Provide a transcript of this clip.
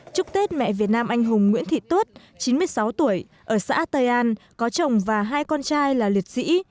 chúc tết mẹ việt nam anh hùng nguyễn thị tuất chín mươi sáu tuổi ở xã tây an có chồng và hai con trai là liệt sĩ